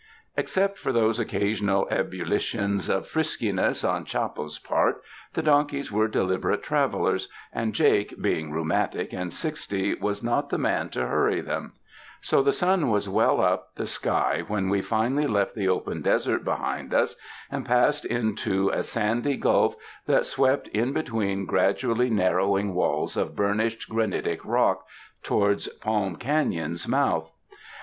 Except for those occasional ebullitions of friski ness on Chappo's part, the donkeys were deliberate travelers, and Jake being rheumatic and sixty was not the man to hurry them ; so the sun was well up the sky when we finally left the open desert behind us and passed into a sandy gulf that swept in be tween gradually narrowing walls of burnished gran itic rock toward Palm Canon's mouth.